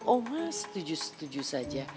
oh mah setuju setuju saja